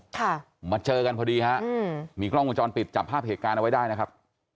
ค่ะมาเจอกันพอดีฮะอืมมีกล้องวงจรปิดจับภาพเหตุการณ์เอาไว้ได้นะครับ